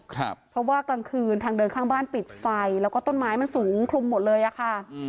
เพราะว่ากลางคืนทางเดินข้างบ้านปิดไฟแล้วก็ต้นไม้มันสูงคลุมหมดเลยอ่ะค่ะอืม